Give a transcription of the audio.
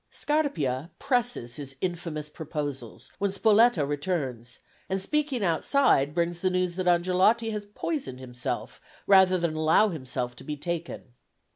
Scarpia presses his infamous proposals, when Spoletta returns, and speaking outside brings the news that Angelotti has poisoned himself rather than allow himself to be taken.